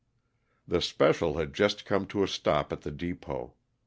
The special had just come to a stop at the depot.